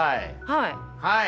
はい。